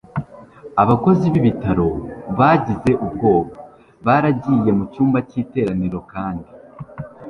abakozi b'ibitaro bagize ubwoba. baragiye mu cyumba cy'iteraniro kandi